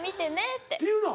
って言うの？